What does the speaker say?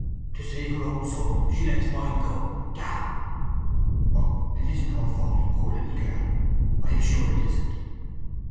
To save her own soul she lets mine go damn! … But it isn't her fault, poor little girl—I am sure it isn't!"